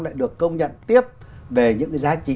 lại được công nhận tiếp về những cái giá trị